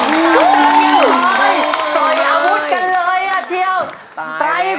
มาเลยมาเชื่อนเฉยสาวเมืองตรัง